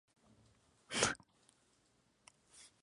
Más tarde, Huber editó las obras y las cartas de ambos maridos.